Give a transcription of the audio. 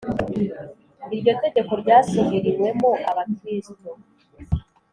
iryo tegeko ryasubiriwemo abakristo